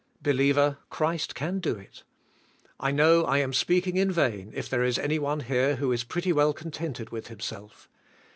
" Believer, Christ can do it. I know I am speaking* in vain if there is any one here who is pretty well contented with himself.